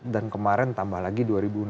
dan kemarin tambah lagi dua ribu enam belas